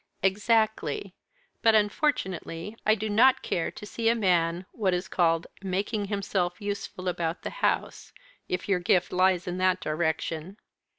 "Exactly. But, unfortunately, I do not care to see a man, what is called, 'making himself useful about the house' if your gift lies in that direction.